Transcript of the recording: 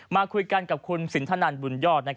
มาคุยกันกับคุณสินทนันบุญยอด